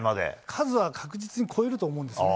数は確実に超えると思うんですね。